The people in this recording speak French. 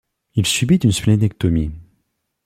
Il subit une splénectomie.